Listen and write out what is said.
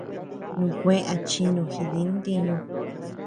Nukue achinu jidi ntiñu.